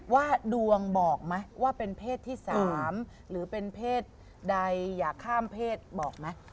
ว่าดวงบอกไหมว่าเป็นเพศที่๓หรือเป็นเพศใดอยากข้ามเพศบอกไหม